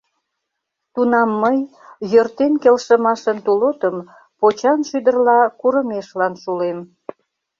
Тунам мый, йӧртен келшымашын тулотым, почаншӱдырла курымешлан шулем.